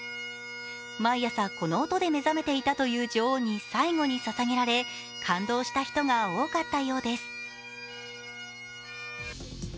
毎朝、この音で目覚めていたという女王に最後にささげられ感動した人が多かったようです。